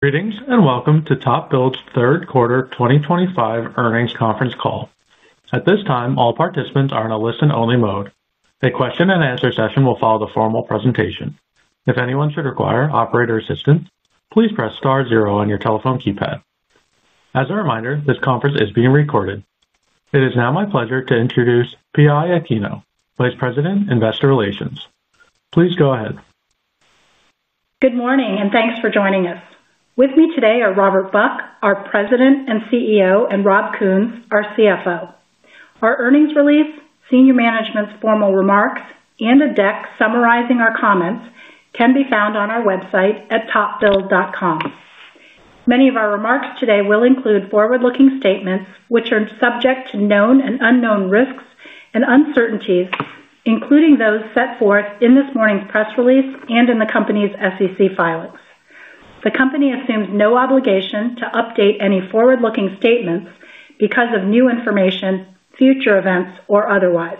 Greetings and welcome to TopBuild's third quarter 2025 earnings conference call. At this time, all participants are in a listen-only mode. A question-and-answer session will follow the formal presentation. If anyone should require operator assistance, please press star zero on your telephone keypad. As a reminder, this conference is being recorded. It is now my pleasure to introduce PI Aquino, Vice President, Investor Relations. Please go ahead. Good morning, and thanks for joining us. With me today are Robert Buck, our President and CEO, and Rob Kuhns, our CFO. Our earnings release, senior management's formal remarks, and a deck summarizing our comments can be found on our website at topbuild.com. Many of our remarks today will include forward-looking statements, which are subject to known and unknown risks and uncertainties, including those set forth in this morning's press release and in the company's SEC filings. The company assumes no obligation to update any forward-looking statements because of new information, future events, or otherwise.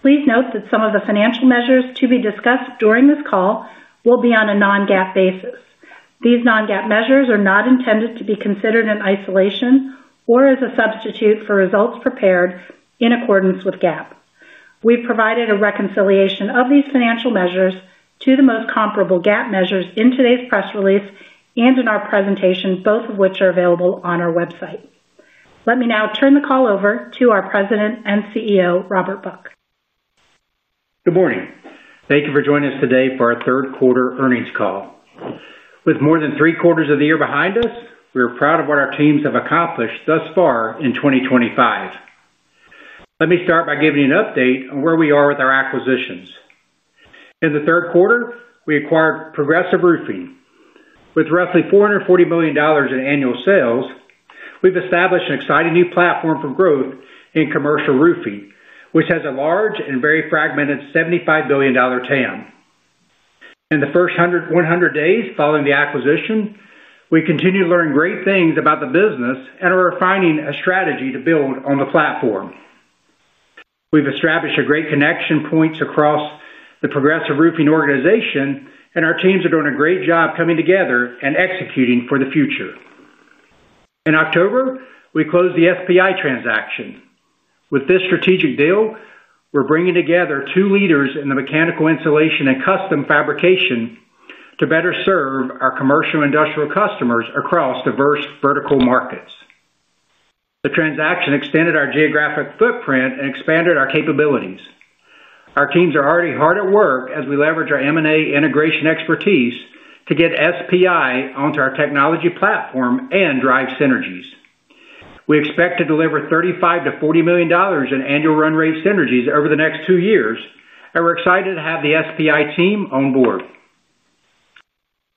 Please note that some of the financial measures to be discussed during this call will be on a non-GAAP basis. These non-GAAP measures are not intended to be considered in isolation or as a substitute for results prepared in accordance with GAAP. We've provided a reconciliation of these financial measures to the most comparable GAAP measures in today's press release and in our presentation, both of which are available on our website. Let me now turn the call over to our President and CEO, Robert Buck. Good morning. Thank you for joining us today for our third quarter earnings call. With more than three quarters of the year behind us, we are proud of what our teams have accomplished thus far in 2025. Let me start by giving you an update on where we are with our acquisitions. In the third quarter, we acquired Progressive Roofing. With roughly $440 million in annual sales, we've established an exciting new platform for growth in commercial roofing, which has a large and very fragmented $75 billion TAM. In the first 100 days following the acquisition, we continue to learn great things about the business and are refining a strategy to build on the platform. We've established a great connection point across the Progressive Roofing organization, and our teams are doing a great job coming together and executing for the future. In October, we closed the SPI transaction. With this strategic deal, we're bringing together two leaders in the mechanical insulation and custom fabrication to better serve our commercial industrial customers across diverse vertical markets. The transaction extended our geographic footprint and expanded our capabilities. Our teams are already hard at work as we leverage our M&A integration expertise to get SPI onto our technology platform and drive synergies. We expect to deliver $35 million-$40 million in annual run rate synergies over the next two years, and we're excited to have the SPI team on board.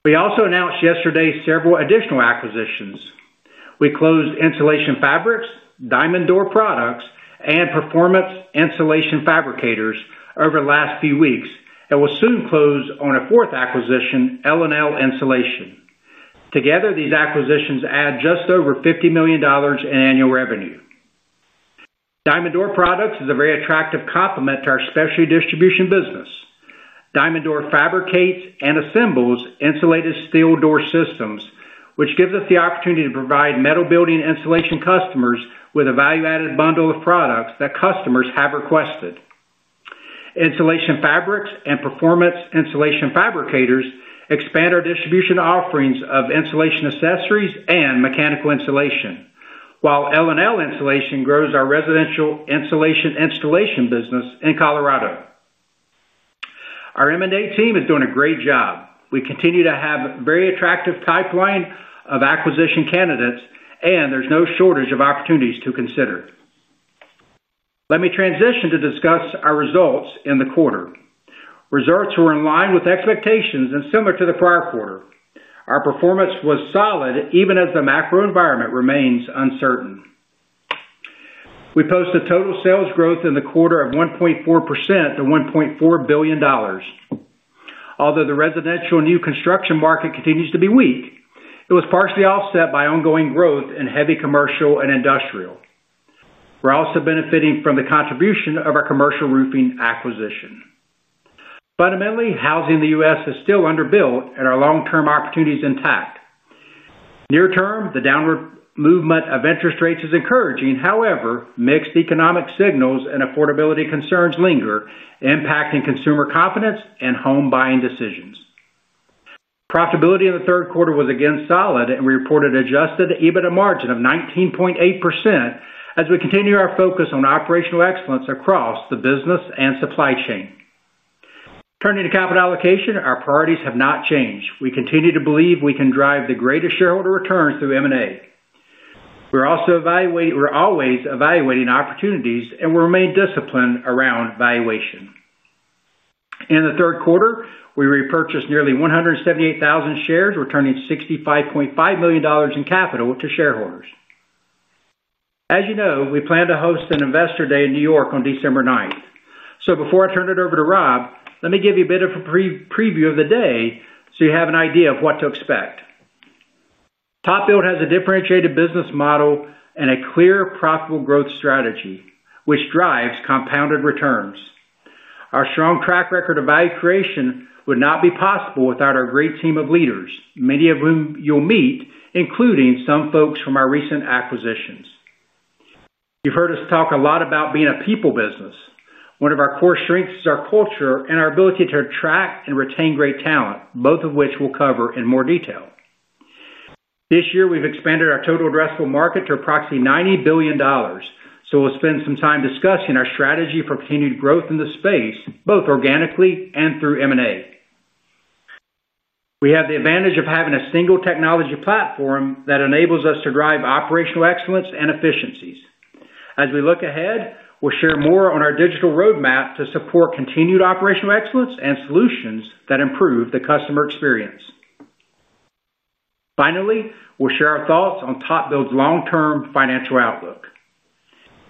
We also announced yesterday several additional acquisitions. We closed Insulation Fabrics, Diamond Door Products, and Performance Insulation Fabricators over the last few weeks, and we'll soon close on a fourth acquisition, L&L Insulation. Together, these acquisitions add just over $50 million in annual revenue. Diamond Door Products is a very attractive complement to our specialty distribution business. Diamond Door fabricates and assembles insulated steel door systems, which gives us the opportunity to provide metal building insulation customers with a value-added bundle of products that customers have requested. Insulation Fabrics and Performance Insulation Fabricators expand our distribution offerings of insulation accessories and mechanical insulation, while L&L Insulation grows our residential insulation installation business in Colorado. Our M&A team is doing a great job. We continue to have a very attractive pipeline of acquisition candidates, and there's no shortage of opportunities to consider. Let me transition to discuss our results in the quarter. Results were in line with expectations and similar to the prior quarter. Our performance was solid even as the macro environment remains uncertain. We posted total sales growth in the quarter of 1.4% to $1.4 billion. Although the residential new construction market continues to be weak, it was partially offset by ongoing growth in heavy commercial and industrial. We're also benefiting from the contribution of our commercial roofing acquisition. Fundamentally, housing in the U.S. is still underbuilt, and our long-term opportunity is intact. Near term, the downward movement of interest rates is encouraging. However, mixed economic signals and affordability concerns linger, impacting consumer confidence and home buying decisions. Profitability in the third quarter was again solid, and we reported Adjusted EBITDA margin of 19.8% as we continue our focus on operational excellence across the business and supply chain. Turning to capital allocation, our priorities have not changed. We continue to believe we can drive the greatest shareholder returns through M&A. We're always evaluating opportunities, and we remain disciplined around valuation. In the third quarter, we repurchased nearly 178,000 shares, returning $65.5 million in capital to shareholders. As you know, we plan to host an Investor Day in New York on December 9th. So before I turn it over to Rob, let me give you a bit of a preview of the day so you have an idea of what to expect. TopBuild has a differentiated business model and a clear, profitable growth strategy, which drives compounded returns. Our strong track record of value creation would not be possible without our great team of leaders, many of whom you'll meet, including some folks from our recent acquisitions. You've heard us talk a lot about being a people business. One of our core strengths is our culture and our ability to attract and retain great talent, both of which we'll cover in more detail. This year, we've expanded our total addressable market to approximately $90 billion, so we'll spend some time discussing our strategy for continued growth in the space, both organically and through M&A. We have the advantage of having a single technology platform that enables us to drive operational excellence and efficiencies. As we look ahead, we'll share more on our digital roadmap to support continued operational excellence and solutions that improve the customer experience. Finally, we'll share our thoughts on TopBuild's long-term financial outlook.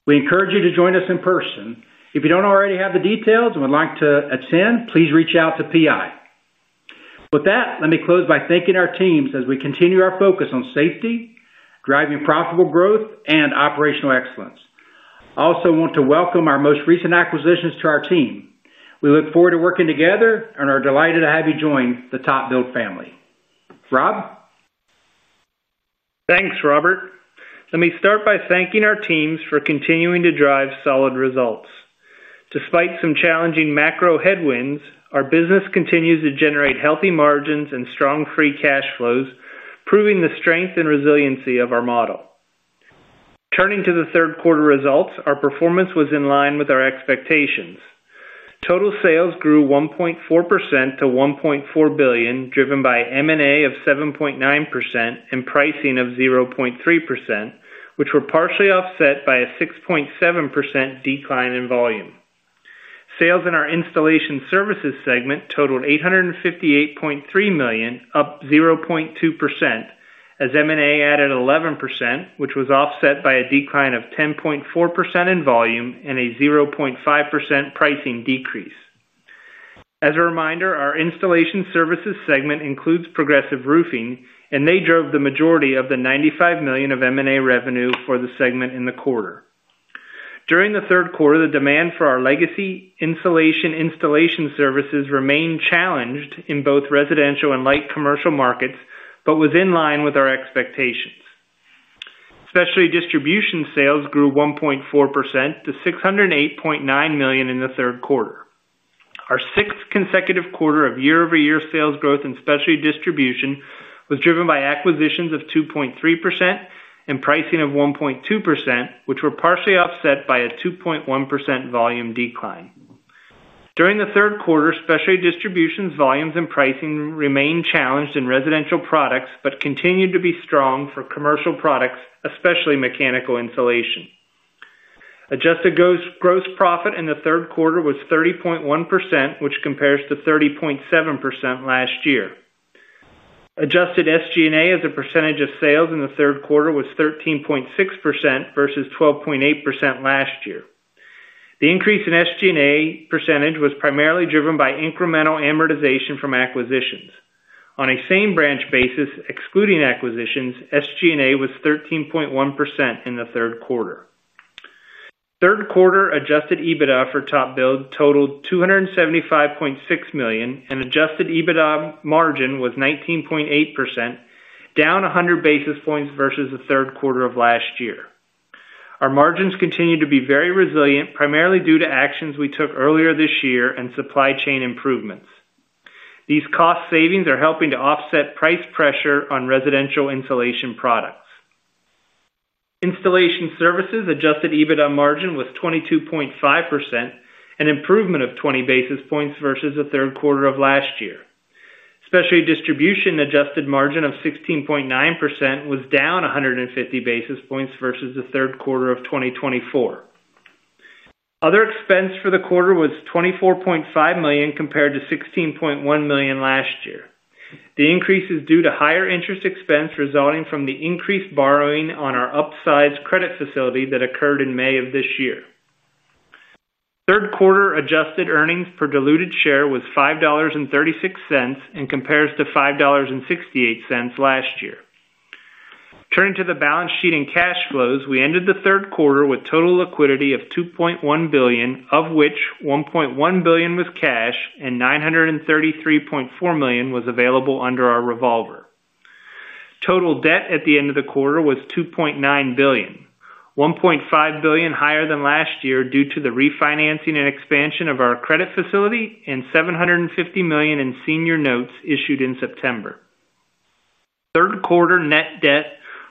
We encourage you to join us in person. If you don't already have the details and would like to attend, please reach out to PI. With that, let me close by thanking our teams as we continue our focus on safety, driving profitable growth, and operational excellence. I also want to welcome our most recent acquisitions to our team. We look forward to working together and are delighted to have you join the TopBuild family. Rob? Thanks, Robert. Let me start by thanking our teams for continuing to drive solid results. Despite some challenging macro headwinds, our business continues to generate healthy margins and strong free cash flows, proving the strength and resiliency of our model. Turning to the third quarter results, our performance was in line with our expectations. Total sales grew 1.4% to $1.4 billion, driven by M&A of 7.9% and pricing of 0.3%, which were partially offset by a 6.7% decline in volume. Sales in our installation services segment totaled $858.3 million, up 0.2%, as M&A added 11%, which was offset by a decline of 10.4% in volume and a 0.5% pricing decrease. As a reminder, our installation services segment includes Progressive Roofing, and they drove the majority of the $95 million of M&A revenue for the segment in the quarter. During the third quarter, the demand for our legacy insulation installation services remained challenged in both residential and light commercial markets but was in line with our expectations. Specialty distribution sales grew 1.4% to $608.9 million in the third quarter. Our sixth consecutive quarter of year-over-year sales growth in specialty distribution was driven by acquisitions of 2.3% and pricing of 1.2%, which were partially offset by a 2.1% volume decline. During the third quarter, specialty distribution's volumes and pricing remained challenged in residential products but continued to be strong for commercial products, especially mechanical insulation. Adjusted gross profit in the third quarter was 30.1%, which compares to 30.7% last year. Adjusted SG&A as a percentage of sales in the third quarter was 13.6% versus 12.8% last year. The increase in SG&A percentage was primarily driven by incremental amortization from acquisitions. On a same-branch basis, excluding acquisitions, SG&A was 13.1% in the third quarter. Third-quarter adjusted EBITDA for TopBuild totaled $275.6 million, and adjusted EBITDA margin was 19.8%, down 100 basis points versus the third quarter of last year. Our margins continue to be very resilient, primarily due to actions we took earlier this year and supply chain improvements. These cost savings are helping to offset price pressure on residential insulation products. Installation services' adjusted EBITDA margin was 22.5%, an improvement of 20 basis points versus the third quarter of last year. Specialty distribution adjusted margin of 16.9% was down 150 basis points versus the third quarter of 2024. Other expense for the quarter was $24.5 million compared to $16.1 million last year. The increase is due to higher interest expense resulting from the increased borrowing on our upsized credit facility that occurred in May of this year. Third-quarter adjusted earnings per diluted share was $5.36 and compares to $5.68 last year. Turning to the balance sheet and cash flows, we ended the third quarter with total liquidity of $2.1 billion, of which $1.1 billion was cash and $933.4 million was available under our revolver. Total debt at the end of the quarter was $2.9 billion, $1.5 billion higher than last year due to the refinancing and expansion of our credit facility and $750 million in senior notes issued in September. Third-quarter net debt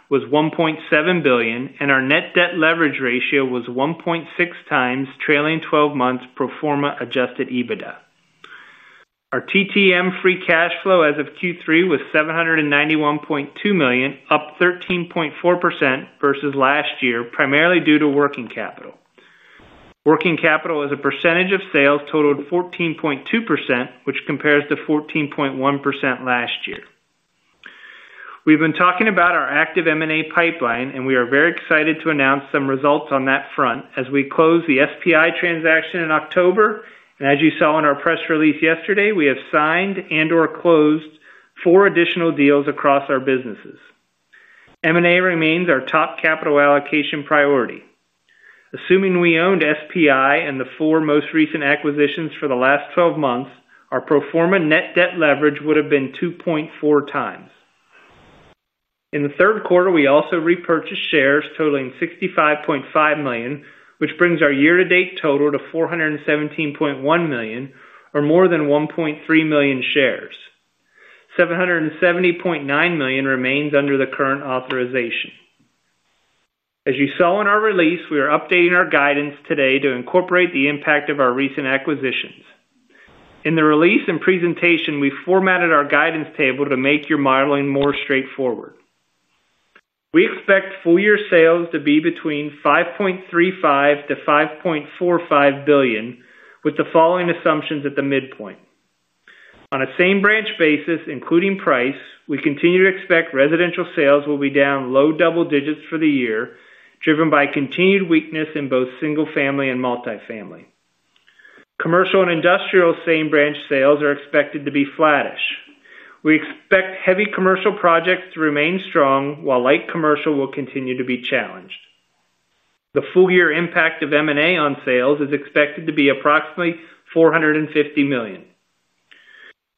was $1.7 billion, and our net debt leverage ratio was 1.6x trailing 12 months pro forma adjusted EBITDA. Our TTM free cash flow as of Q3 was $791.2 million, up 13.4% versus last year, primarily due to working capital. Working capital as a percentage of sales totaled 14.2%, which compares to 14.1% last year. We've been talking about our active M&A pipeline, and we are very excited to announce some results on that front as we close the SPI transaction in October. As you saw in our press release yesterday, we have signed and/or closed four additional deals across our businesses. M&A remains our top capital allocation priority. Assuming we owned SPI and the four most recent acquisitions for the last 12 months, our pro forma net debt leverage would have been 2.4x. In the third quarter, we also repurchased shares totaling $65.5 million, which brings our year-to-date total to $417.1 million, or more than 1.3 million shares. $770.9 million remains under the current authorization. As you saw in our release, we are updating our guidance today to incorporate the impact of our recent acquisitions. In the release and presentation, we formatted our guidance table to make your modeling more straightforward. We expect full-year sales to be between $5.35 billion-$5.45 billion, with the following assumptions at the midpoint. On a same-branch basis, including price, we continue to expect residential sales will be down low double digits for the year, driven by continued weakness in both single-family and multifamily. Commercial and industrial same-branch sales are expected to be flattish. We expect heavy commercial projects to remain strong, while light commercial will continue to be challenged. The full-year impact of M&A on sales is expected to be approximately $450 million.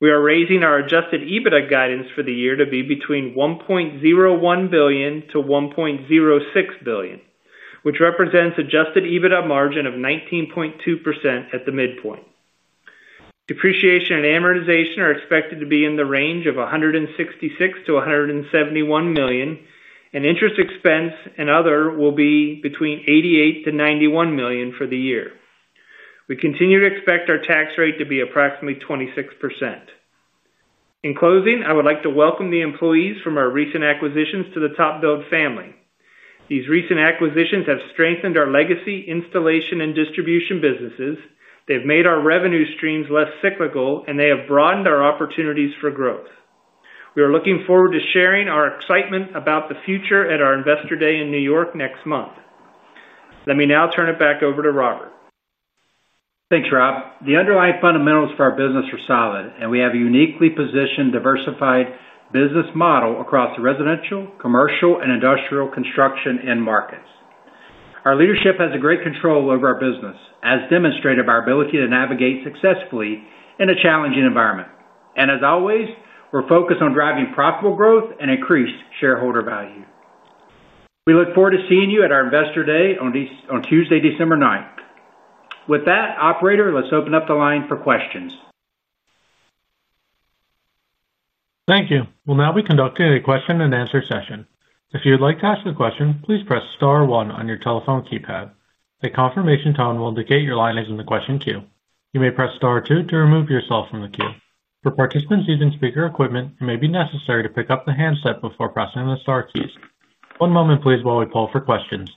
We are raising our adjusted EBITDA guidance for the year to be between $1.01 billion-$1.06 billion, which represents an adjusted EBITDA margin of 19.2% at the midpoint. Depreciation and amortization are expected to be in the range of $166 million-$171 million, and interest expense and other will be between $88 million-$91 million for the year. We continue to expect our tax rate to be approximately 26%. In closing, I would like to welcome the employees from our recent acquisitions to the TopBuild family. These recent acquisitions have strengthened our legacy installation and distribution businesses. They've made our revenue streams less cyclical, and they have broadened our opportunities for growth. We are looking forward to sharing our excitement about the future at our Investor Day in New York next month. Let me now turn it back over to Robert. Thanks, Rob. The underlying fundamentals for our business are solid, and we have a uniquely positioned, diversified business model across the residential, commercial, and industrial construction end markets. Our leadership has great control over our business, as demonstrated by our ability to navigate successfully in a challenging environment. And as always, we're focused on driving profitable growth and increased shareholder value. We look forward to seeing you at our Investor Day on Tuesday, December 9th. With that, operator, let's open up the line for questions. Thank you. We'll now be conducting a question-and-answer session. If you would like to ask a question, please press star one on your telephone keypad. The confirmation tone will indicate your line is in the question queue. You may press star two to remove yourself from the queue. For participants using speaker equipment, it may be necessary to pick up the handset before pressing the Star keys. One moment, please, while we pull for questions.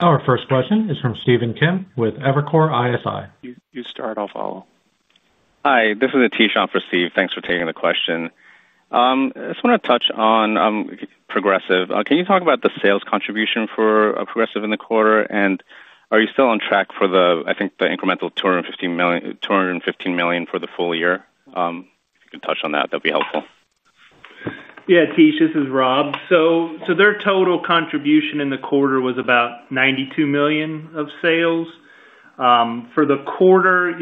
Our first question is from Stephen Kim with Evercore ISI. You start, I'll follow. Hi, this is Aatish off of Steve. Thanks for taking the question. I just want to touch on Progressive. Can you talk about the sales contribution for Progressive in the quarter, and are you still on track for the, I think, the incremental $215 million for the full year? If you could touch on that, that'd be helpful. Yeah, Aatish, this is Rob. So their total contribution in the quarter was about $92 million of sales. For the quarter,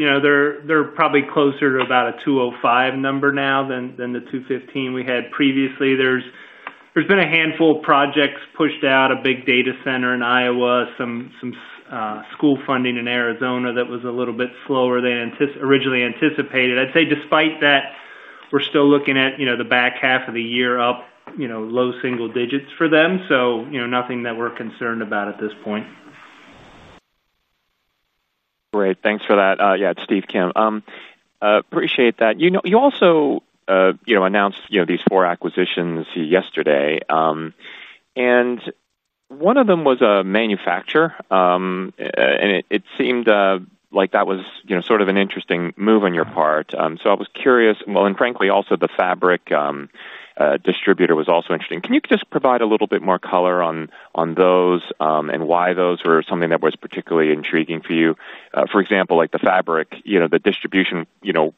they're probably closer to about a $205 number now than the $215 we had previously. There's been a handful of projects pushed out, a big data center in Iowa, some. School funding in Arizona that was a little bit slower than originally anticipated. I'd say despite that, we're still looking at the back half of the year up, low single digits for them, so nothing that we're concerned about at this point. Great. Thanks for that. Yeah, it's Steve Kim. Appreciate that. You also announced these four acquisitions yesterday. And one of them was a manufacturer. And it seemed like that was sort of an interesting move on your part. So I was curious, well, and frankly, also the fabric distributor was also interesting. Can you just provide a little bit more color on those and why those were something that was particularly intriguing for you? For example, like the fabric, the distribution,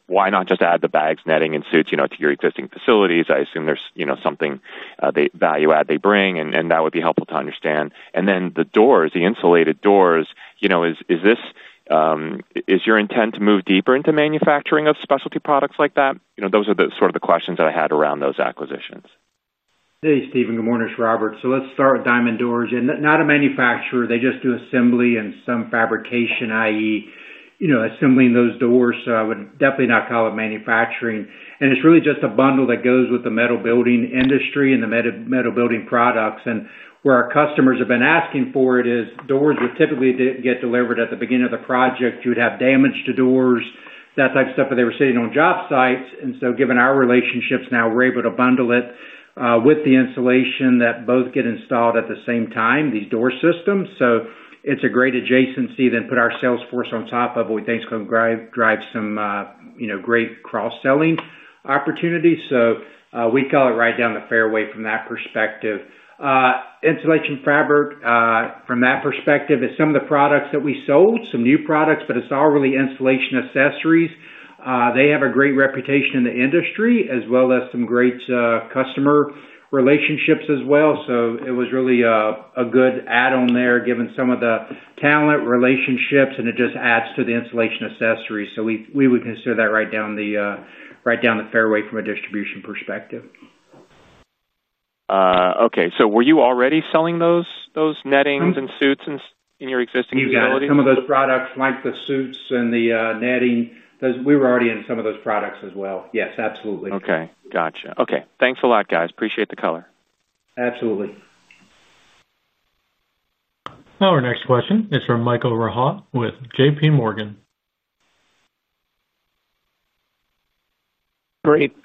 why not just add the bags, netting, and suits to your existing facilities? I assume there's something value-add they bring, and that would be helpful to understand. And then the doors, the insulated doors, is this your intent to move deeper into manufacturing of specialty products like that? Those are the sort of the questions that I had around those acquisitions. Hey, Stephen. Good morning, it's Robert. So let's start with Diamond Door and not a manufacturer. They just do assembly and some fabrication, i.e., assembling those doors. So I would definitely not call it manufacturing. And it's really just a bundle that goes with the metal building industry and the metal building products. And where our customers have been asking for it is, doors would typically get delivered at the beginning of the project. You would have damage to doors, that type of stuff, but they were sitting on job sites. And so given our relationships now, we're able to bundle it with the insulation that both get installed at the same time, these door systems. So it's a great adjacency. Then put our sales force on top of it. We think it's going to drive some great cross-selling opportunities. So we'd call it right down the fairway from that perspective. Insulation Fabrics from that perspective is some of the products that we sold, some new products, but it's all really insulation accessories. They have a great reputation in the industry as well as some great customer relationships as well. So it was really a good add-on there given some of the talent relationships, and it just adds to the insulation accessory. So we would consider that right down the fairway from a distribution perspective. Okay, so were you already selling those nettings and suits in your existing facility? You got some of those products like the suits and the netting. We were already in some of those products as well. Yes, absolutely. Okay. Gotcha. Okay. Thanks a lot, guys. Appreciate the color. Absolutely. Our next question is from Michael Rehaut with JPMorgan. Great.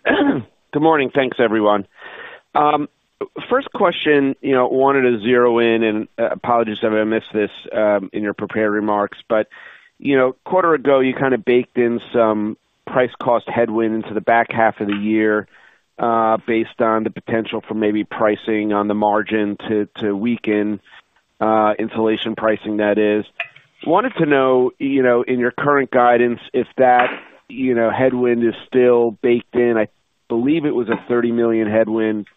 Good morning. Thanks, everyone. First question, wanted to zero in, and apologies if I missed this in your prepared remarks, but. A quarter ago, you kind of baked in some price cost headwinds to the back half of the year. Based on the potential for maybe pricing on the margin to weaken. Insulation pricing, that is. Wanted to know, in your current guidance, if that headwind is still baked in. I believe it was a $30 million headwind.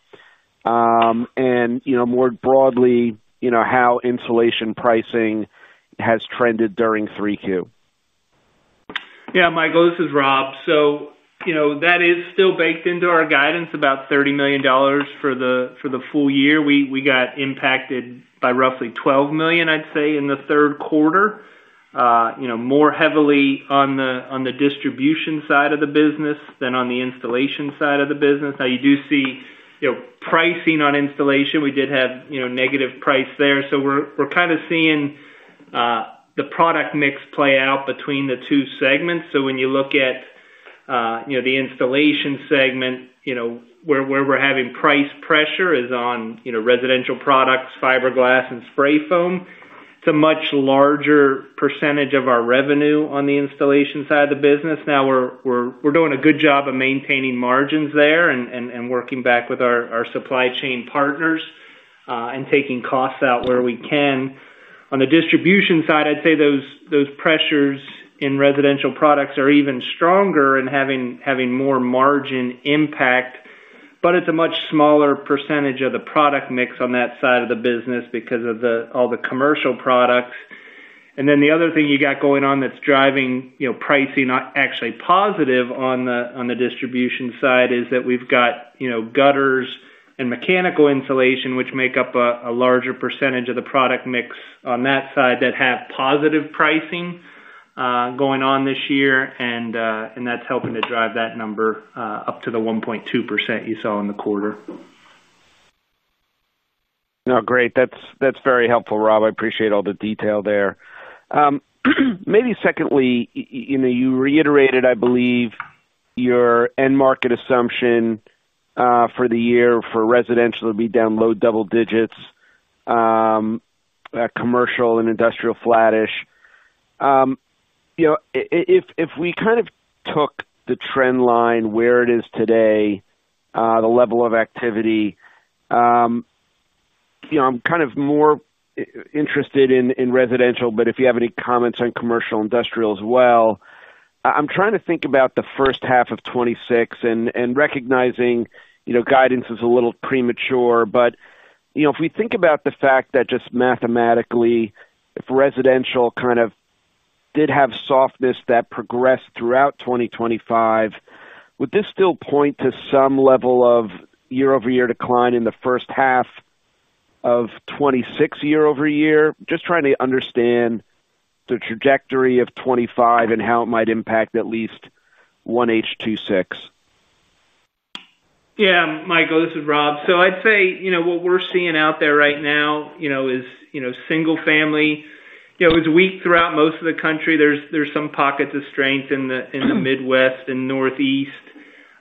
And more broadly, how insulation pricing has trended during 3Q. Yeah, Michael, this is Rob. So that is still baked into our guidance, about $30 million for the full year. We got impacted by roughly $12 million, I'd say, in the third quarter. More heavily on the distribution side of the business than on the installation side of the business. Now, you do see pricing on installation. We did have negative price there. So we're kind of seeing the product mix play out between the two segments. So when you look at the installation segment. Where we're having price pressure is on residential products, fiberglass, and spray foam. It's a much larger percentage of our revenue on the installation side of the business. Now, we're doing a good job of maintaining margins there and working back with our supply chain partners and taking costs out where we can. On the distribution side, I'd say those pressures in residential products are even stronger and having more margin impact, but it's a much smaller percentage of the product mix on that side of the business because of all the commercial products. And then the other thing you got going on that's driving pricing actually positive on the distribution side is that we've got gutters and mechanical insulation, which make up a larger percentage of the product mix on that side that have positive pricing going on this year, and that's helping to drive that number up to the 1.2% you saw in the quarter. No, great. That's very helpful, Rob. I appreciate all the detail there. Maybe secondly, you reiterated, I believe, your end market assumption. For the year for residential would be down low double digits. Commercial and industrial flattish. If we kind of took the trend line where it is today. The level of activity. I'm kind of more interested in residential, but if you have any comments on commercial industrial as well. I'm trying to think about the first half of 2026 and recognizing guidance is a little premature, but if we think about the fact that just mathematically, if residential kind of did have softness that progressed throughout 2025. Would this still point to some level of year-over-year decline in the first half of 2026 year-over-year? Just trying to understand. The trajectory of 2025 and how it might impact at least 1H26. Yeah, Michael, this is Rob. So I'd say what we're seeing out there right now is single-family. It was weak throughout most of the country. There's some pockets of strength in the Midwest and Northeast.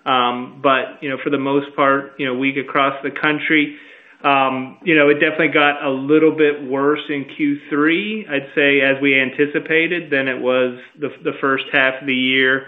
But for the most part, weak across the country. It definitely got a little bit worse in Q3, I'd say, as we anticipated than it was the first half of the year.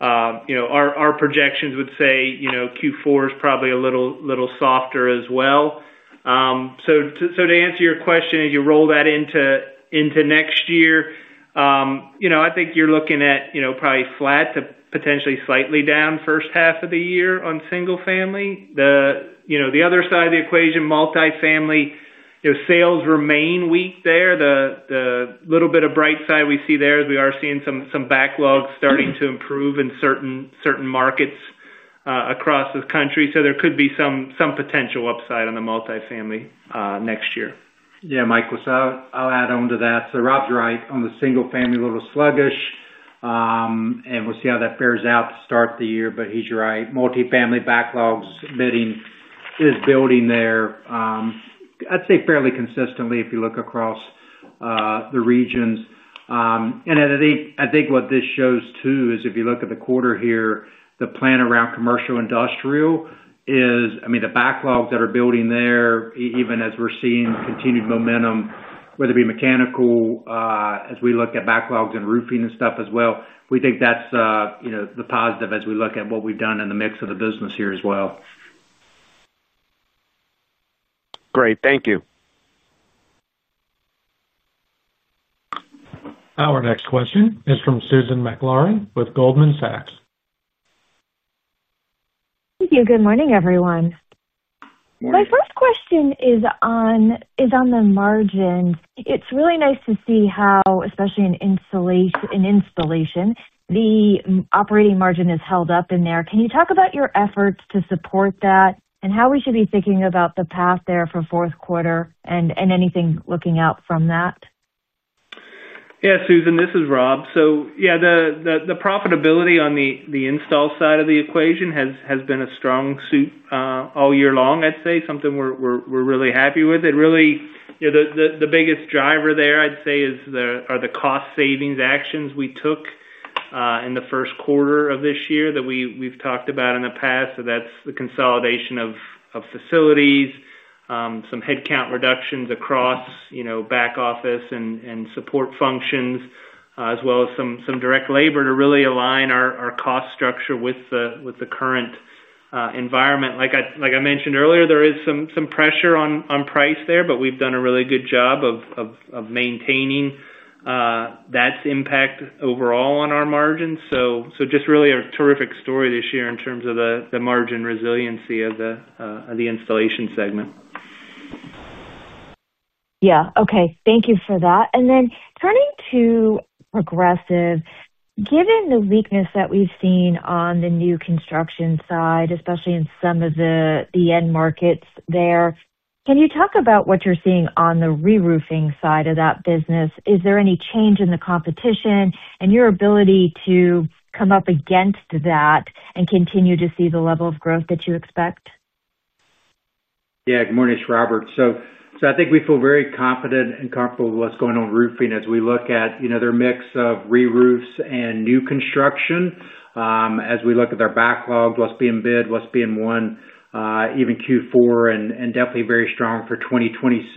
Our projections would say Q4 is probably a little softer as well. So to answer your question, as you roll that into next year, I think you're looking at probably flat to potentially slightly down first half of the year on single-family. The other side of the equation, multifamily. Sales remain weak there. The little bit of bright side we see there is we are seeing some backlog starting to improve in certain markets across the country. So there could be some potential upside on the multifamily next year. Yeah, Michael, so I'll add on to that. So Rob's right on the single-family a little sluggish. And we'll see how that bears out to start the year, but he's right. Multifamily backlogs is building there. I'd say fairly consistently if you look across. The regions. And I think what this shows too is if you look at the quarter here, the plan around commercial industrial is, I mean, the backlogs that are building there, even as we're seeing continued momentum, whether it be mechanical. As we look at backlogs and roofing and stuff as well. We think that's the positive as we look at what we've done in the mix of the business here as well. Great. Thank you. Our next question is from Susan Maklari with Goldman Sachs. Thank you. Good morning, everyone. My first question is on the margins. It's really nice to see how, especially in installation, the operating margin is held up in there. Can you talk about your efforts to support that and how we should be thinking about the path there for fourth quarter and anything looking out from that? Yeah, Susan, this is Rob. So yeah, the profitability on the install side of the equation has been a strong suit all year long, I'd say. Something we're really happy with. The biggest driver there, I'd say, are the cost savings actions we took in the first quarter of this year that we've talked about in the past. So that's the consolidation of facilities, some headcount reductions across back office and support functions, as well as some direct labor to really align our cost structure with the current environment. Like I mentioned earlier, there is some pressure on price there, but we've done a really good job of maintaining that impact overall on our margins. So just really a terrific story this year in terms of the margin resiliency of the installation segment. Yeah. Okay. Thank you for that. And then turning to Progressive, given the weakness that we've seen on the new construction side, especially in some of the end markets there, can you talk about what you're seeing on the reroofing side of that business? Is there any change in the competition and your ability to come up against that and continue to see the level of growth that you expect? Yeah. Good morning, it's Robert. So I think we feel very confident and comfortable with what's going on with roofing as we look at their mix of reroofs and new construction. As we look at their backlog, what's being bid, what's being won, even Q4, and definitely very strong for 2026.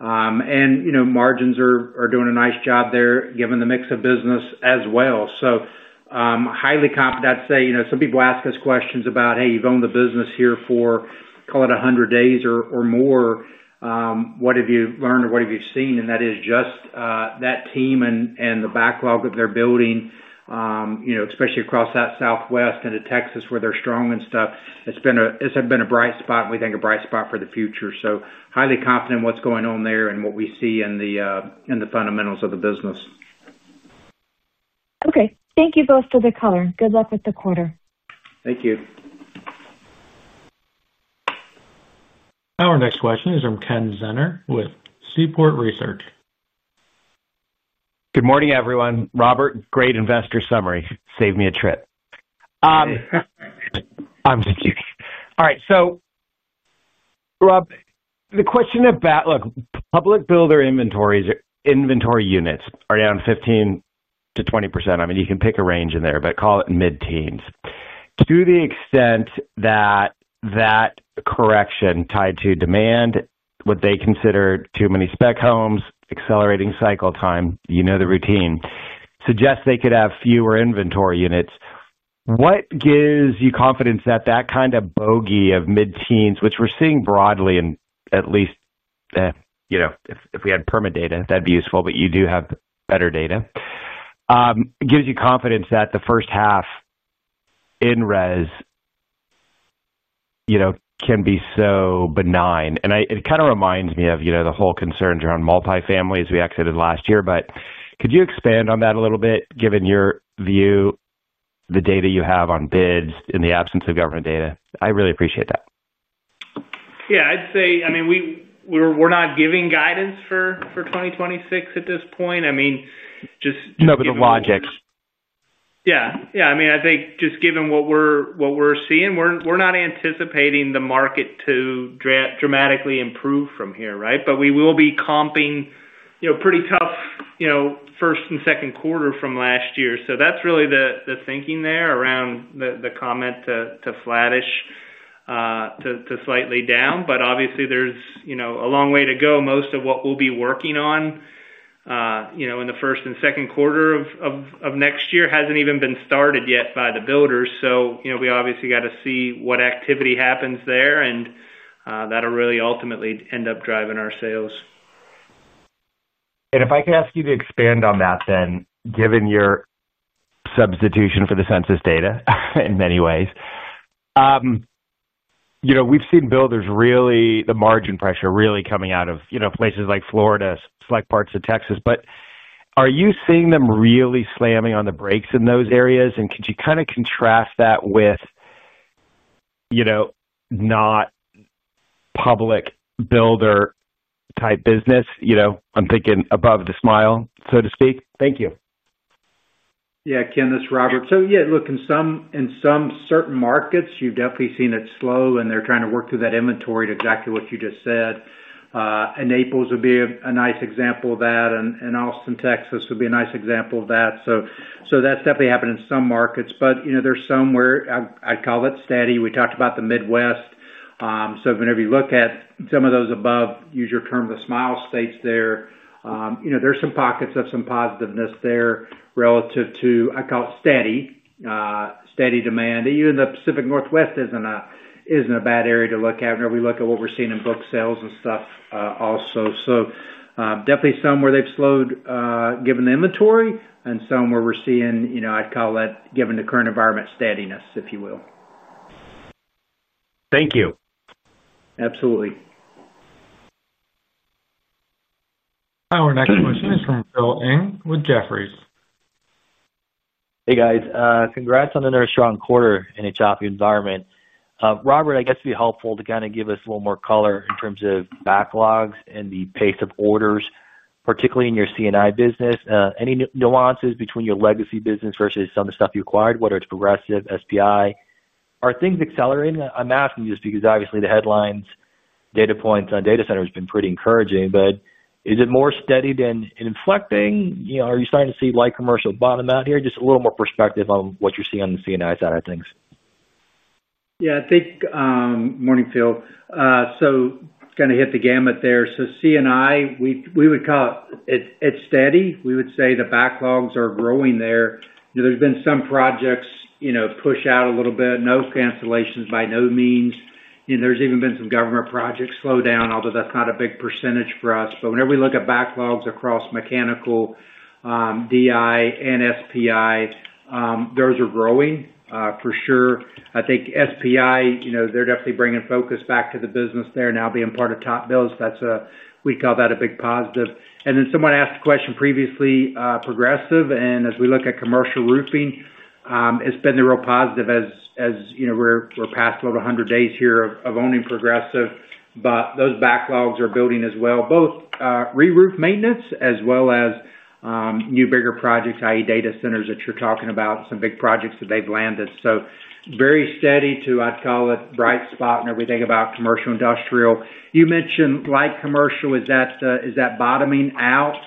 And margins are doing a nice job there given the mix of business as well. So. Highly confident, I'd say. Some people ask us questions about, "Hey, you've owned the business here for, call it, 100 days or more. What have you learned or what have you seen?" And that is just that team and the backlog that they're building, especially across that Southwest into Texas where they're strong and stuff. It's been a bright spot, and we think a bright spot for the future. So highly confident in what's going on there and what we see in the fundamentals of the business. Okay. Thank you both for the color. Good luck with the quarter. Thank you. Our next question is from Ken Zener with Seaport Research. Good morning, everyone. Robert, great investor summary. Save me a trip. All right. So. Rob, the question about, look, public builder inventory units are down 15%-20%. I mean, you can pick a range in there, but call it mid-teens. To the extent that that correction tied to demand, what they consider too many spec homes, accelerating cycle time, you know the routine, suggests they could have fewer inventory units. What gives you confidence that that kind of bogey of mid-teens, which we're seeing broadly in at least. If we had permit data, that'd be useful, but you do have better data. Gives you confidence that the first half in res. can be so benign, and it kind of reminds me of the whole concerns around multifamily as we exited last year, but could you expand on that a little bit given your view. The data you have on bids in the absence of government data? I really appreciate that. Yeah. I'd say, I mean, we're not giving guidance for 2026 at this point. I mean, just. No, but the logic. Yeah. Yeah. I mean, I think just given what we're seeing, we're not anticipating the market to dramatically improve from here, right? But we will be comping pretty tough first and second quarter from last year. So that's really the thinking there around the comment to flattish to slightly down. But obviously, there's a long way to go. Most of what we'll be working on in the first and second quarter of next year hasn't even been started yet by the builders. So we obviously got to see what activity happens there, and that'll really ultimately end up driving our sales. And if I could ask you to expand on that then, given your substitution for the census data in many ways. We've seen builders really, the margin pressure really coming out of places like Florida, select parts of Texas. But are you seeing them really slamming on the brakes in those areas? And could you kind of contrast that with not public builder-type business? I'm thinking above the smile, so to speak. Thank you. Yeah, Ken, this is Robert. So yeah, look, in some certain markets, you've definitely seen it slow, and they're trying to work through that inventory to exactly what you just said. And Naples would be a nice example of that, and Austin, Texas would be a nice example of that. So that's definitely happening in some markets. But there's some where I'd call it steady. We talked about the Midwest. So whenever you look at some of those Sunbelt states there, use your term, there's some pockets of some positiveness there relative to, I call it steady. Steady demand. Even the Pacific Northwest isn't a bad area to look at whenever we look at what we're seeing in book sales and stuff also. So definitely some where they've slowed given the inventory and some where we're seeing, I'd call it, given the current environment, steadiness, if you will. Thank you. Absolutely. Our next question is from Phil Ng with Jefferies. Hey, guys. Congrats on another strong quarter in a choppy environment. Robert, I guess it'd be helpful to kind of give us a little more color in terms of backlogs and the pace of orders, particularly in your C&I business. Any nuances between your legacy business versus some of the stuff you acquired, whether it's Progressive, SPI? Are things accelerating? I'm asking you just because obviously the headlines, data points on data centers have been pretty encouraging, but is it more steady than inflecting? Are you starting to see light commercial bottom out here? Just a little more perspective on what you're seeing on the C&I side of things. Yeah. Good morning, Phil. So kind of hit the gamut there. So C&I, we would call it, it's steady. We would say the backlogs are growing there. There's been some projects push out a little bit. No cancellations by no means. There's even been some government projects slow down, although that's not a big percentage for us. But whenever we look at backlogs across mechanical, DI and SPI. Those are growing for sure. I think SPI, they're definitely bringing focus back to the business there now being part of TopBuild. We'd call that a big positive, and then someone asked the question previously, Progressive, and as we look at commercial roofing, it's been the real positive as we're past a little over 100 days here of owning Progressive. But those backlogs are building as well, both reroof maintenance as well as new bigger projects, i.e., data centers that you're talking about, some big projects that they've landed. So very steady to, I'd call it, bright spot in everything about commercial industrial. You mentioned light commercial. Is that bottoming out?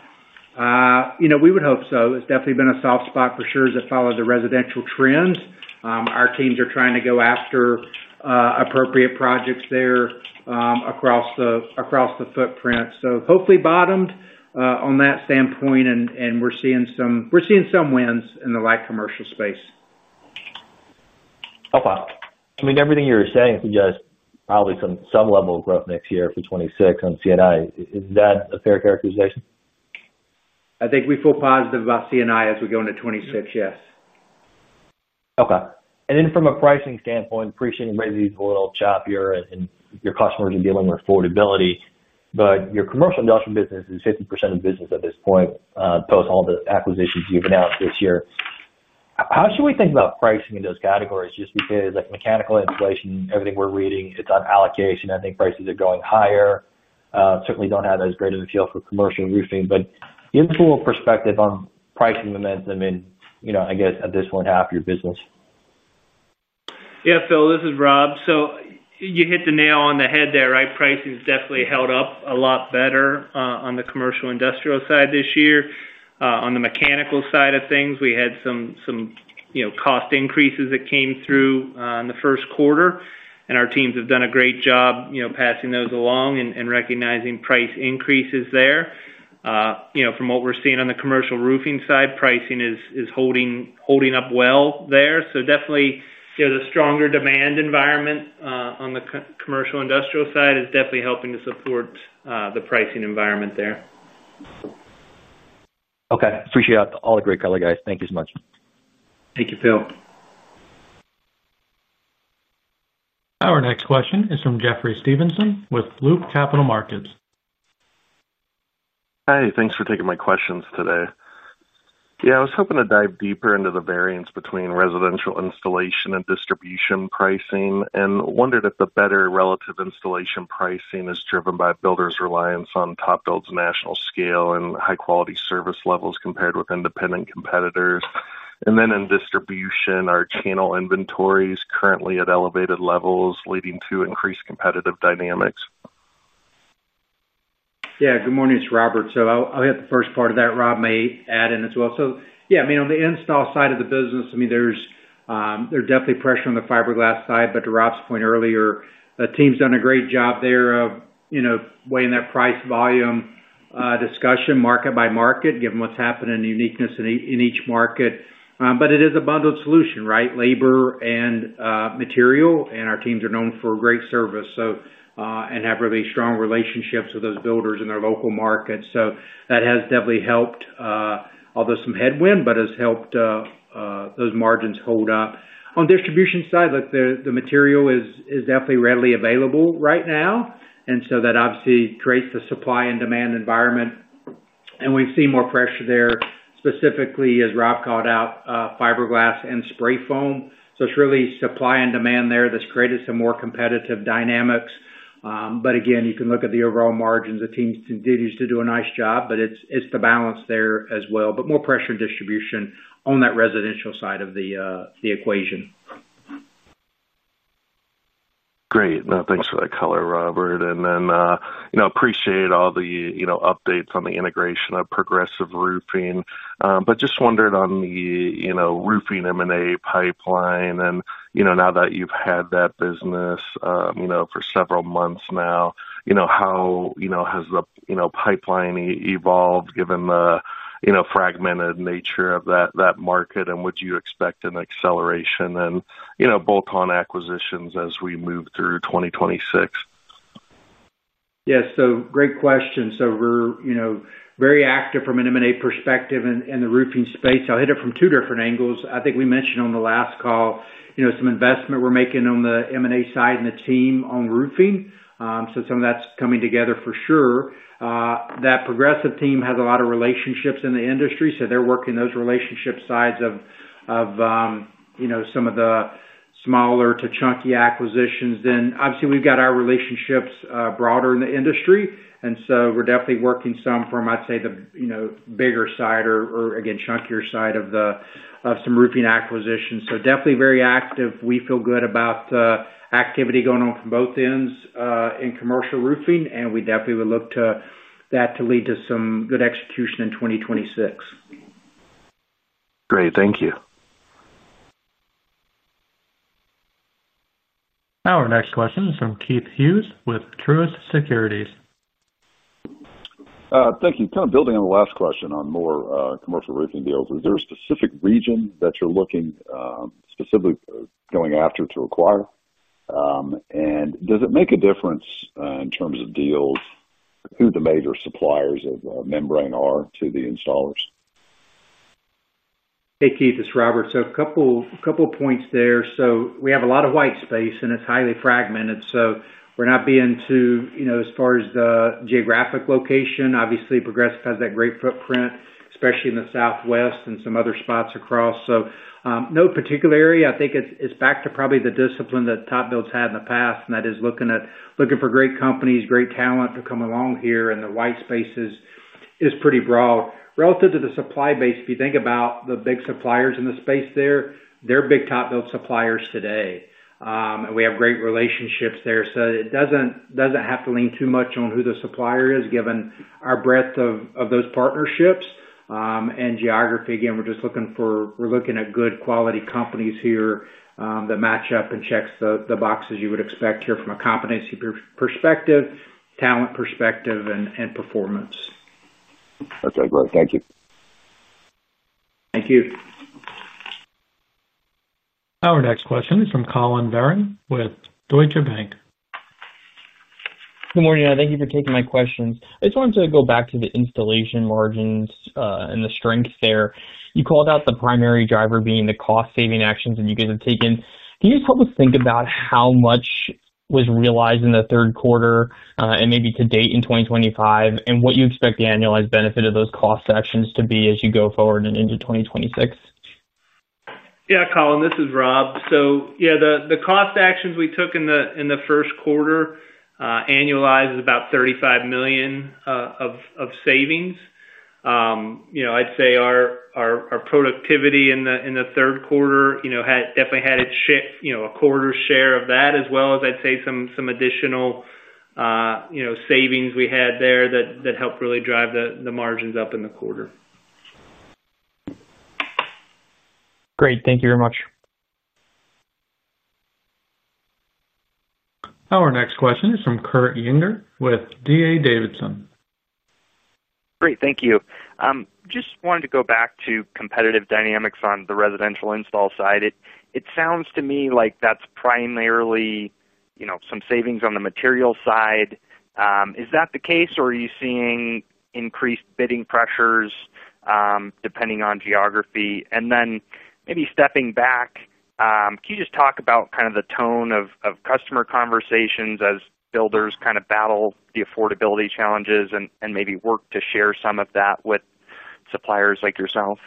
We would hope so. It's definitely been a soft spot for sure as it followed the residential trends. Our teams are trying to go after appropriate projects there across the footprint. So hopefully bottomed on that standpoint, and we're seeing some wins in the light commercial space. Oh, wow. I mean, everything you're saying suggests probably some level of growth next year for 2026 on C&I. Is that a fair characterization? I think we feel positive about C&I as we go into 2026, yes. Okay. And then from a pricing standpoint, appreciating Resi's a little choppier and your customers are dealing with affordability. But your commercial industrial business is 50% of business at this point post all the acquisitions you've announced this year. How should we think about pricing in those categories? Just because mechanical insulation, everything we're reading, it's on allocation. I think prices are going higher. Certainly don't have as great of a feel for commercial roofing. But give us a little perspective on pricing momentum in, I guess, at this one half of your business. Yeah, Phil, this is Rob. So you hit the nail on the head there, right? Pricing has definitely held up a lot better on the commercial industrial side this year. On the mechanical side of things, we had some cost increases that came through in the first quarter and our teams have done a great job passing those along and recognizing price increases there. From what we're seeing on the commercial roofing side, pricing is holding up well there, so definitely, the stronger demand environment on the commercial industrial side is definitely helping to support the pricing environment there. Okay. Appreciate it. All the great color, guys. Thank you so much. Thank you, Phil. Our next question is from Jeffrey Stevenson with Loop Capital Markets. Hey, thanks for taking my questions today. Yeah, I was hoping to dive deeper into the variance between residential installation and distribution pricing and wondered if the better relative installation pricing is driven by builders' reliance on TopBuild's national scale and high-quality service levels compared with independent competitors, and then in distribution, are channel inventories currently at elevated levels leading to increased competitive dynamics? Yeah. Good morning, it's Robert. So I'll hit the first part of that. Rob may add in as well. So yeah, I mean, on the install side of the business, I mean, there's definitely pressure on the fiberglass side, but to Rob's point earlier, the team's done a great job there of weighing that price volume discussion market by market, given what's happening in uniqueness in each market. But it is a bundled solution, right? Labor and material, and our teams are known for great service and have really strong relationships with those builders in their local markets. So that has definitely helped, although some headwind, but has helped those margins hold up. On the distribution side, the material is definitely readily available right now. And so that obviously creates the supply and demand environment. And we've seen more pressure there, specifically, as Rob called out, fiberglass and spray foam. So it's really supply and demand there that's created some more competitive dynamics. But again, you can look at the overall margins. The team continues to do a nice job, but it's the balance there as well. But more pressure in distribution on that residential side of the equation. Great. No, thanks for that color, Robert. And then, appreciate all the updates on the integration of Progressive Roofing. But just wondered on the roofing M&A pipeline. And now that you've had that business for several months now, how has the pipeline evolved given the fragmented nature of that market? And would you expect an acceleration in bolt-on acquisitions as we move through 2026? Yeah. So great question. So we're very active from an M&A perspective in the roofing space. I'll hit it from two different angles. I think we mentioned on the last call some investment we're making on the M&A side and the team on roofing. So some of that's coming together for sure. That Progressive team has a lot of relationships in the industry, so they're working those relationship sides of some of the smaller to chunky acquisitions. Then, obviously, we've got our relationships broader in the industry. And so we're definitely working some from, I'd say, the bigger side or, again, chunkier side of some roofing acquisitions. So definitely very active. We feel good about activity going on from both ends in commercial roofing, and we definitely would look to that to lead to some good execution in 2026. Great. Thank you. Our next question is from Keith Hughes with Truist Securities. Thank you. Kind of building on the last question on more commercial roofing deals, is there a specific region that you're looking specifically going after to acquire, and does it make a difference in terms of deals who the major suppliers of membrane are to the installers? Hey, Keith, it's Robert. So a couple of points there. So we have a lot of white space, and it's highly fragmented. So we're not being too as far as the geographic location. Obviously, Progressive has that great footprint, especially in the Southwest and some other spots across. So no particular area. I think it's back to probably the discipline that TopBuild's had in the past, and that is looking for great companies, great talent to come along here. And the white space is pretty broad. Relative to the supply base, if you think about the big suppliers in the space there, they're big TopBuild suppliers today. And we have great relationships there. So it doesn't have to lean too much on who the supplier is, given our breadth of those partnerships. And geography, again, we're just looking at good quality companies here that match up and check the boxes you would expect here from a competency perspective, talent perspective, and performance. Okay. Great. Thank you. Thank you. Our next question is from Collin Verron with Deutsche Bank. Good morning. Thank you for taking my questions. I just wanted to go back to the installation margins and the strength there. You called out the primary driver being the cost-saving actions that you guys have taken. Can you just help us think about how much was realized in the third quarter and maybe to date in 2025, and what you expect the annualized benefit of those cost actions to be as you go forward into 2026? Yeah, Colin, this is Rob. So yeah, the cost actions we took in the first quarter annualized is about $35 million of savings. I'd say our productivity in the third quarter definitely had its share, a quarter share of that, as well as I'd say some additional savings we had there that helped really drive the margins up in the quarter. Great. Thank you very much. Our next question is from Kurt Yinger with D.A. Davidson. Great. Thank you. Just wanted to go back to competitive dynamics on the residential install side. It sounds to me like that's primarily some savings on the material side. Is that the case, or are you seeing increased bidding pressures depending on geography? And then maybe stepping back, can you just talk about kind of the tone of customer conversations as builders kind of battle the affordability challenges and maybe work to share some of that with suppliers like yourself?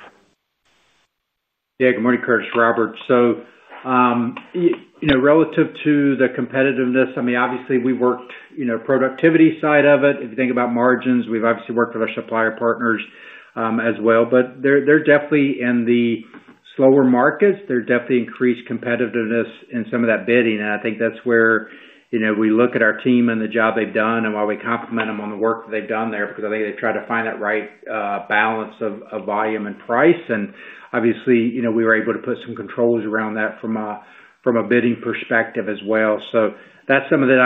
Yeah. Good morning, Kurt, Robert. So, relative to the competitiveness, I mean, obviously, we worked the productivity side of it. If you think about margins, we've obviously worked with our supplier partners as well. But they're definitely in the slower markets. They're definitely increased competitiveness in some of that bidding. And I think that's where we look at our team and the job they've done and why we compliment them on the work that they've done there because I think they've tried to find that right balance of volume and price, and obviously, we were able to put some controls around that from a bidding perspective as well. So that's some of the,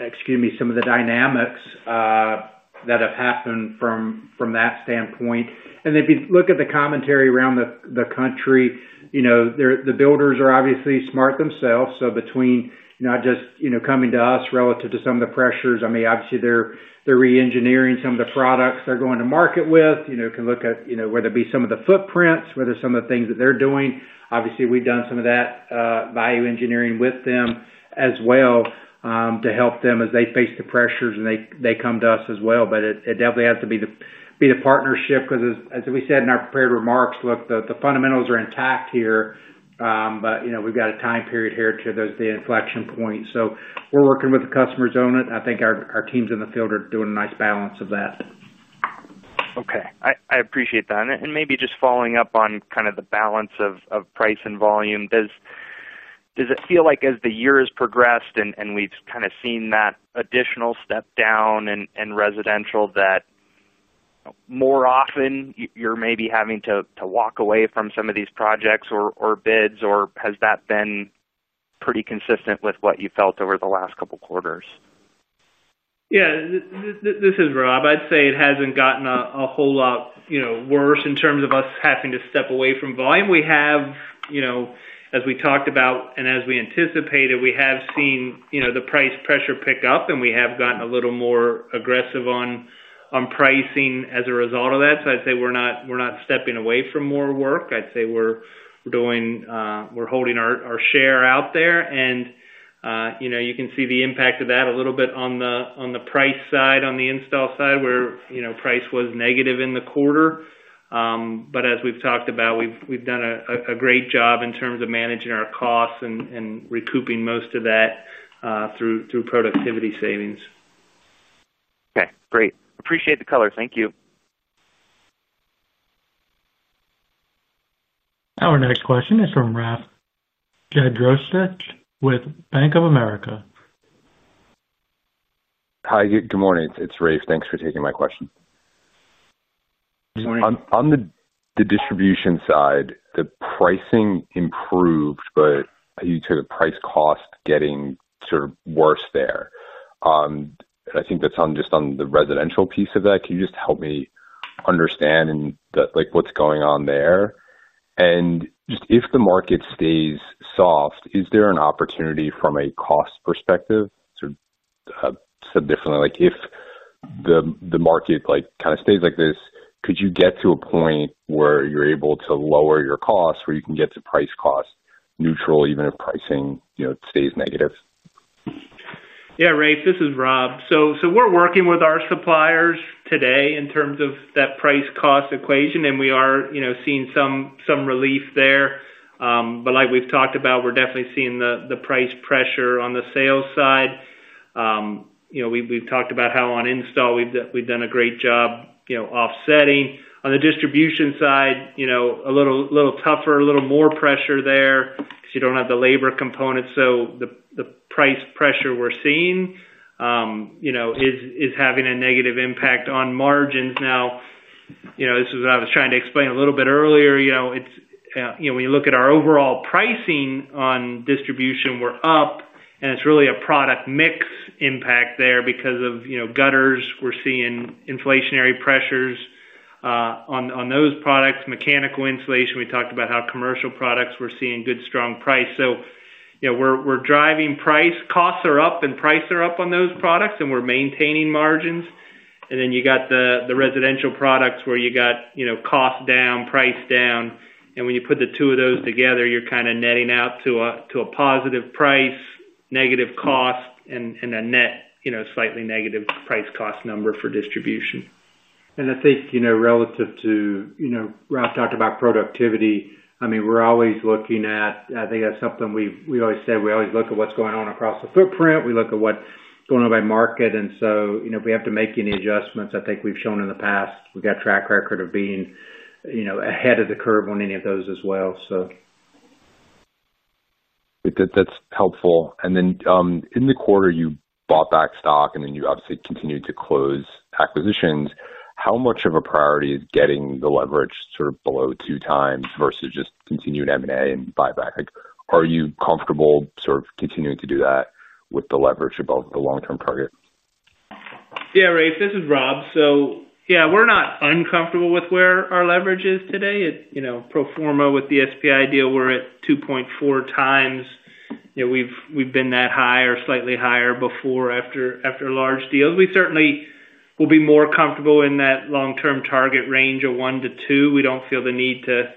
excuse me, some of the dynamics that have happened from that standpoint. If you look at the commentary around the country, the builders are obviously smart themselves. So between not just coming to us relative to some of the pressures, I mean, obviously, they're re-engineering some of the products they're going to market with. You can look at whether it be some of the footprints, whether some of the things that they're doing. Obviously, we've done some of that value engineering with them as well to help them as they face the pressures and they come to us as well. But it definitely has to be the partnership because, as we said in our prepared remarks, look, the fundamentals are intact here. But we've got a time period here to the inflection point. So we're working with the customers on it. I think our teams in the field are doing a nice balance of that. Okay. I appreciate that. And maybe just following up on kind of the balance of price and volume, does it feel like as the year has progressed and we've kind of seen that additional step down in residential that more often you're maybe having to walk away from some of these projects or bids, or has that been pretty consistent with what you felt over the last couple of quarters? Yeah. This is Rob. I'd say it hasn't gotten a whole lot worse in terms of us having to step away from volume. We have, as we talked about and as we anticipated, we have seen the price pressure pick up, and we have gotten a little more aggressive on pricing as a result of that. So I'd say we're not stepping away from more work. I'd say we're holding our share out there. And you can see the impact of that a little bit on the price side, on the install side, where price was negative in the quarter. But as we've talked about, we've done a great job in terms of managing our costs and recouping most of that through productivity savings. Okay. Great. Appreciate the color. Thank you. Our next question is from Rafe Jadrosich with Bank of America. Hi. Good morning. It's Rafe. Thanks for taking my question. On the distribution side, the pricing improved, but you said the price cost getting sort of worse there. And I think that's just on the residential piece of that. Can you just help me understand what's going on there? And just if the market stays soft, is there an opportunity from a cost perspective? So, differently, if the market kind of stays like this, could you get to a point where you're able to lower your cost, where you can get to price cost neutral, even if pricing stays negative? Yeah, Rafe, this is Rob. So we're working with our suppliers today in terms of that price-cost equation, and we are seeing some relief there, but like we've talked about, we're definitely seeing the price pressure on the sales side. We've talked about how on install we've done a great job offsetting. On the distribution side, a little tougher, a little more pressure there because you don't have the labor component. So the price pressure we're seeing is having a negative impact on margins. Now, this is what I was trying to explain a little bit earlier. When you look at our overall pricing on distribution, we're up, and it's really a product mix impact there because of gutters. We're seeing inflationary pressures on those products, mechanical insulation. We talked about how commercial products we're seeing good, strong price. So we're driving price. Costs are up, and prices are up on those products, and we're maintaining margins, and then you got the residential products where you got cost down, price down. And when you put the two of those together, you're kind of netting out to a positive price, negative cost, and a net slightly negative price-cost number for distribution. And I think relative to, Rob talked about productivity. I mean, we're always looking at, I think that's something we always said. We always look at what's going on across the footprint. We look at what's going on by market. And so if we have to make any adjustments, I think we've shown in the past, we've got a track record of being ahead of the curve on any of those as well, so. That's helpful. And then in the quarter, you bought back stock, and then you obviously continued to close acquisitions. How much of a priority is getting the leverage sort of below two times versus just continuing M&A and buyback? Are you comfortable sort of continuing to do that with the leverage above the long-term target? Yeah, Rafe, this is Rob. So yeah, we're not uncomfortable with where our leverage is today. Pro forma with the SPI deal, we're at 2.4x. We've been that high or slightly higher before after large deals. We certainly will be more comfortable in that long-term target range of one to two. We don't feel the need to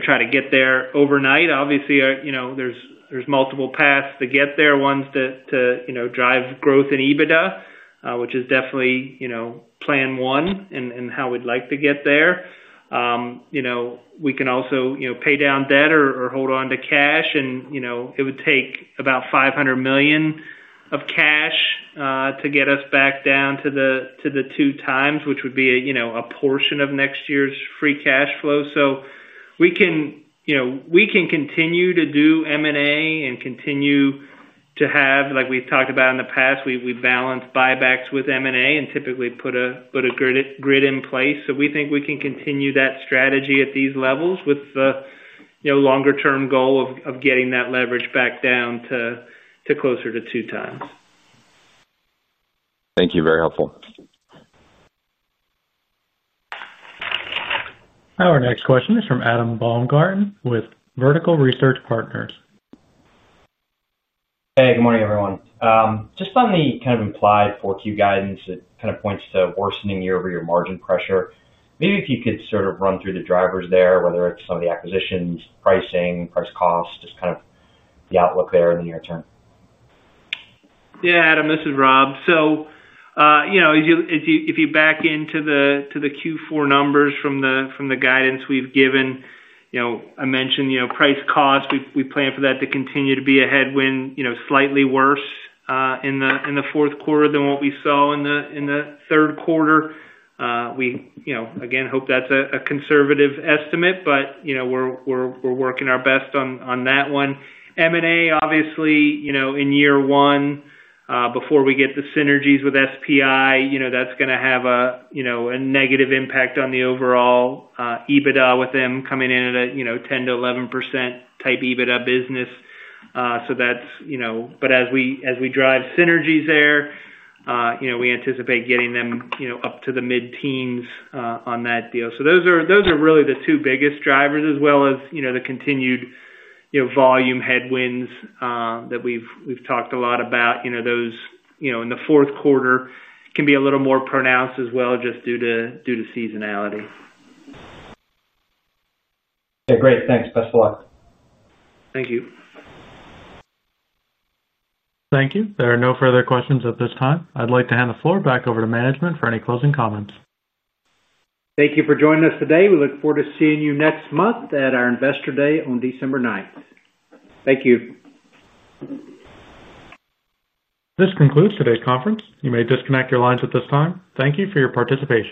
try to get there overnight. Obviously, there's multiple paths to get there, ones to drive growth in EBITDA, which is definitely plan one and how we'd like to get there. We can also pay down debt or hold on to cash. And it would take about $500 million of cash to get us back down to the two times, which would be a portion of next year's free cash flow. So we can continue to do M&A and continue to have, like we've talked about in the past, we balance buybacks with M&A and typically put a grid in place. So we think we can continue that strategy at these levels with the longer-term goal of getting that leverage back down to closer to 2x. Thank you. Very helpful. Our next question is from Adam Baumgarten with Vertical Research Partners. Hey, good morning, everyone. Just on the kind of implied for Q guidance, it kind of points to worsening year-over-year margin pressure. Maybe if you could sort of run through the drivers there, whether it's some of the acquisitions, pricing, price cost, just kind of the outlook there in the near term? Yeah, Adam, this is Rob. So. If you back into the Q4 numbers from the guidance we've given, I mentioned price cost. We plan for that to continue to be a headwind, slightly worse in the fourth quarter than what we saw in the third quarter. We again hope that's a conservative estimate, but. We're working our best on that one. M&A, obviously, in year one, before we get the synergies with SPI, that's going to have a negative impact on the overall EBITDA with them coming in at a 10%-11% type EBITDA business. So that's, but as we drive synergies there, we anticipate getting them up to the mid-teens on that deal. So those are really the two biggest drivers, as well as the continued volume headwinds that we've talked a lot about. Those in the fourth quarter can be a little more pronounced as well, just due to seasonality. Okay. Great. Thanks. Best of luck. Thank you. Thank you. There are no further questions at this time. I'd like to hand the floor back over to management for any closing comments. Thank you for joining us today. We look forward to seeing you next month at our investor day on December 9th. Thank you. This concludes today's conference. You may disconnect your lines at this time. Thank you for your participation.